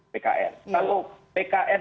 bkn kalau bkn